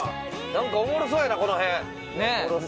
なんかおもろそうやな、この辺。